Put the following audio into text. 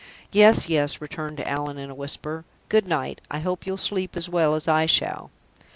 "Yes, yes," returned Allan, in a whisper. "Good night; I hope you'll sleep as well as I shall."